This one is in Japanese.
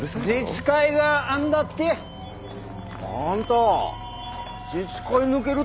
自治会がなんだって？あんた自治会抜けるって本気か？